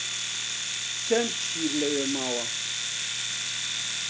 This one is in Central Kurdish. چەند شیر لەوێ ماوە؟